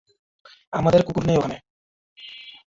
আমাদের কুকুর নেই ওখানে।